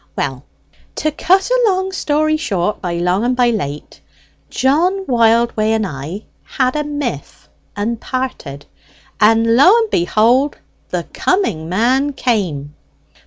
Well, to cut a long story short, by long and by late, John Wildway and I had a miff and parted; and lo and behold, the coming man came!